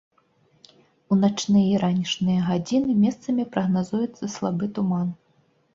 У начныя і ранішнія гадзіны месцамі прагназуецца слабы туман.